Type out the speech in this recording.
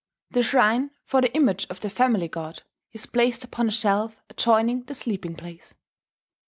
The shrine for the image of the family god is placed upon a shelf adjoining the sleeping place."